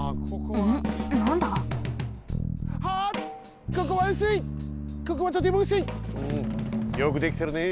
うんよくできてるね。